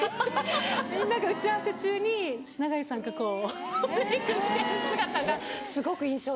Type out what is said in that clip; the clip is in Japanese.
みんなが打ち合わせ中に永井さんがこうメイクしてる姿がすごく印象的だった。